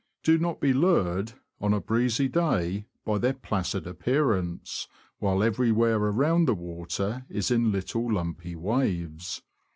Do not be lured, on a breezy day, by their placid appearance, while every where around the water is in little, lumpy waves.